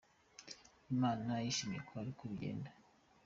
Imana yashimye ko ari ko bigenda.